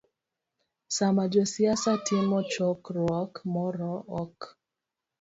Sama josiasa timo chokruok moro, ok